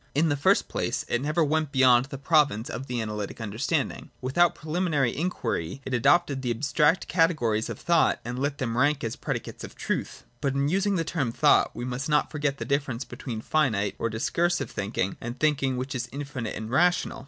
In the first place it never went beyond the province of the analytic understanding. Without preliminary \ inquiry it adopted the abstract categories of thought and : let them rank as predicates of truth. But in using the term thought we must not forget the difference between finite or discursive thinking and the thinking which is infinite and rational.